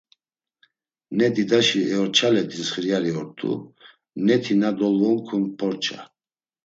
Ne didaşi eorçale dintsxiryari ort̆u, neti na dolvonkun porça.